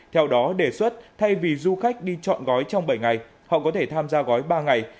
theo đó đề xuất thay vì du khách đi chọn gói trong bảy ngày họ có thể tham gia gói ba ngày